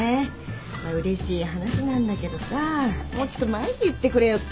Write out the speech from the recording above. うれしい話なんだけどさもうちょっと前に言ってくれよっていうね。